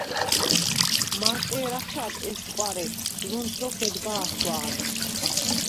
მარტ ერ აჩად, ესჭკვარე, ლუნთ ლოქ ედგა̄თვა̄ნ.